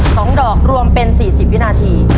สองดอกรวมเป็นสี่สิบวินาที